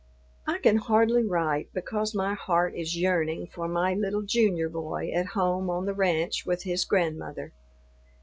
I can hardly write because my heart is yearning for my little Junior boy at home on the ranch with his grandmother.